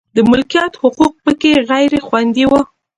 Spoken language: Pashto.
د مالکیت حقوق په کې غیر خوندي و.